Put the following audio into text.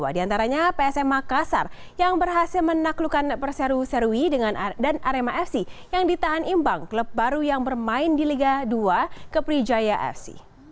di antaranya psm makassar yang berhasil menaklukkan perseru serui dan arema fc yang ditahan imbang klub baru yang bermain di liga dua keprijaya fc